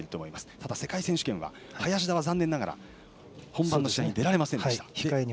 ただ、世界選手権は林田は残念ながら本番の試合に出られませんでした。